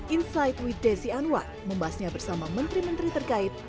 insight with desi anwar membahasnya bersama menteri menteri terkait